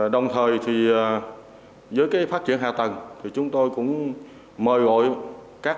đồng thời với phát triển hạ tầng chúng tôi cũng mời gọi các